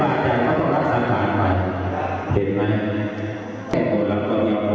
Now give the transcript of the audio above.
อันติดับน้ำชิ้นปลอดใจ